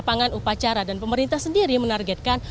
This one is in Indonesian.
lapangan upacara dan pemerintah sendiri menargetkan